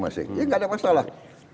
jadi tidak ada masalah